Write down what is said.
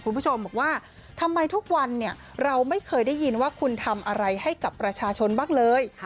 คุณผู้ชมบอกว่าทำไมทุกวันเนี่ยเราไม่เคยได้ยินว่าคุณทำอะไรให้กับประชาชนบ้างเลย